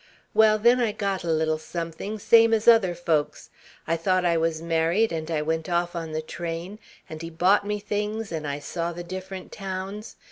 Well, then I got a little something, same as other folks. I thought I was married and I went off on the train and he bought me things and I saw the different towns.